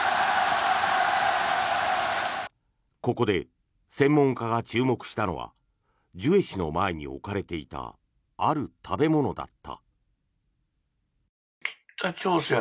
ここで専門家が注目したのはジュエ氏の前に置かれていたある食べ物だった。